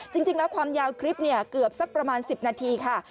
จริงแล้วความยาวคลิปเนี่ยเกือบสักประมาณ๑๐นาทีค่ะ